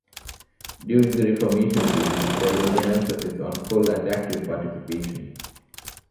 During the Reformation period, there was an emphasis on "full and active participation".